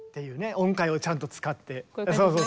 音階をちゃんと使って。